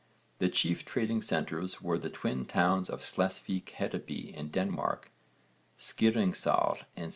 The chief trading centres were the twin towns of Slesvík Hedeby in Denmark, Skiringssalr in S.W.